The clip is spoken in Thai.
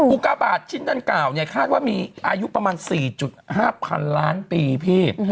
อุกาบาทชิ้นดังกล่าวเนี่ยคาดว่ามีอายุประมาณ๔๕พันล้านปีพี่